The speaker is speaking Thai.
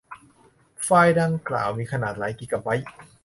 ไฟล์ดังกล่าวมีขนาดหลายกิกะไบต์